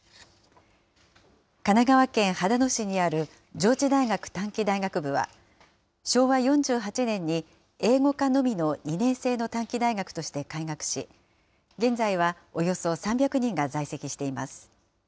神奈川県秦野市にある上智大学短期大学部は、昭和４８年に英語科のみの２年制の短期大学として開学し、現在はおよそ３００人が在籍しています。